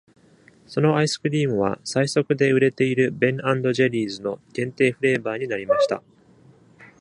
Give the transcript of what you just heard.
そのアイスクリームは、最速で売れているベン＆ジェリーズの限定フレーバーになりました。